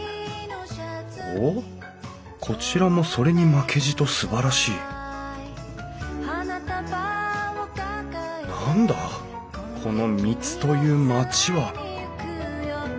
おっこちらもそれに負けじとすばらしい何だこの三津という町は！